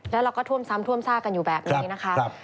แล้วเราก็ท่วมซ้ำท่วมซากกันอยู่แบบนี้นะคะ